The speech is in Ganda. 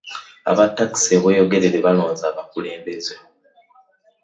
Aba ttakisi e Bweyogerere balonze abakulembeze .